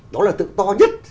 đó là tượng to nhất